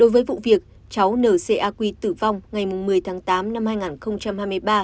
với vụ việc cháu n c a qi tử vong ngày một mươi tháng tám năm hai nghìn hai mươi ba